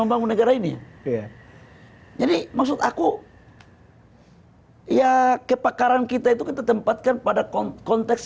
membangun negara ini ya jadi maksud aku ya kepakaran kita itu kita tempatkan pada konteks